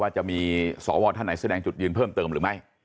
จะมีสวท่านไหนแสดงจุดยืนเพิ่มเติมหรือไม่